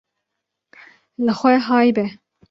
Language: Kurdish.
li xwe hay be